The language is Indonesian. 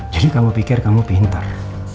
jadi kamu pikir kamu pintar